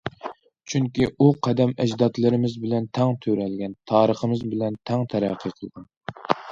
چۈنكى ئۇ قەدىم ئەجدادلىرىمىز بىلەن تەڭ تۆرەلگەن، تارىخىمىز بىلەن تەڭ تەرەققىي قىلغان.